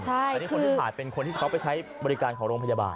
แต่นี่คนที่ถ่ายเป็นคนที่เขาไปใช้บริการของโรงพยาบาล